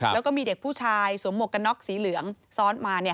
แล้วก็มีเด็กผู้ชายสวมหมวกกันน็อกสีเหลืองซ้อนมา